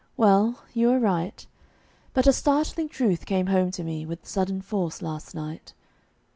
Well, you are right; But a startling truth came home to me With sudden force last night.